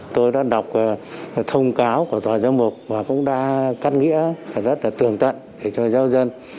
tôi đã đọc thông cáo của tòa giáo mục và cũng đã cắt nghĩa rất là tường tận cho giáo dân